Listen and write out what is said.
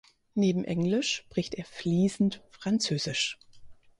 Neben Englisch spricht er fließend Französisch.